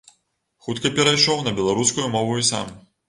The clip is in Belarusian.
Хутка перайшоў на беларускую мову і сам.